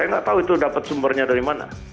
saya nggak tahu itu dapat sumbernya dari mana